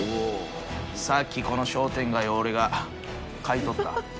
さっき、この商店街を俺が買い取った。